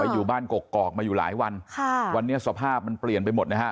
อยู่บ้านกกอกมาอยู่หลายวันค่ะวันนี้สภาพมันเปลี่ยนไปหมดนะฮะ